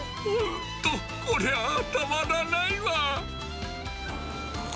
本当、これはたまらないわ。